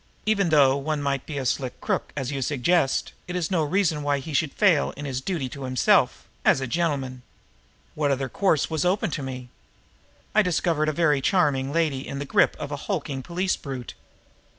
"Even though one might be a slick crook as you suggest, it is no reason why he should fail in his duty to himself as a gentleman. What other course was open to me? I discovered a very charming young lady in the grip of a hulking police brute.